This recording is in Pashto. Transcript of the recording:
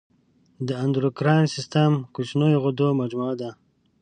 د اندوکراین سیستم کوچنیو غدو مجموعه ده.